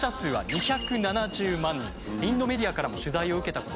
なんとインドメディアからも取材を受けたことがあり